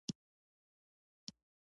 د افغانانو ټاټوبی معلوم دی.